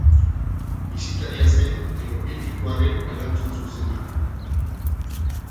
Bisitaria zen eroglifikoaren erantzun zuzena.